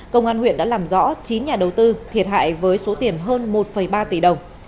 công an huyện đã làm rõ chín nhà đầu tư thiệt hại với số tiền hơn một ba tỷ đồng